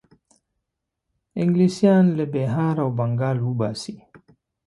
انګلیسیان له بیهار او بنګال وباسي.